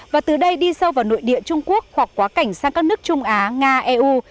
và từ đây đi sâu vào nội địa trung quốc hoặc quá cảnh sang các nước trung á nga eu